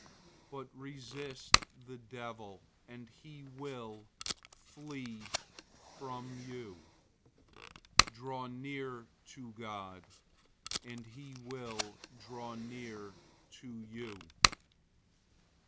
But resist the devil, and he will flee from you. 004:008 Draw near to God, and he will draw near to you.